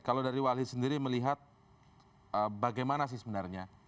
kalau dari wali sendiri melihat bagaimana sih sebenarnya